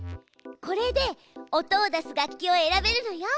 これで音を出す楽器を選べるのよ。